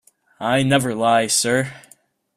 I never lie, sir.